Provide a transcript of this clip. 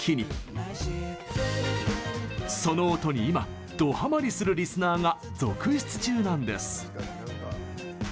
その音に今ドハマりするリスナーが続出中なんです。